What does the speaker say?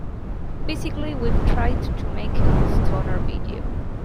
Basically we've tried to make a good stoner video.